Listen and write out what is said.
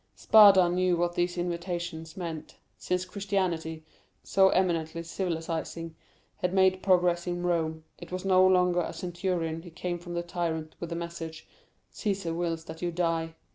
"Spada knew what these invitations meant; since Christianity, so eminently civilizing, had made progress in Rome, it was no longer a centurion who came from the tyrant with a message, 'Cæsar wills that you die.